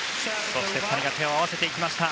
そして、２人が手を合わせていきました。